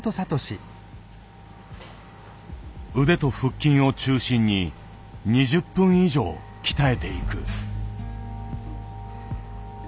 腕と腹筋を中心に２０分以上鍛えていく。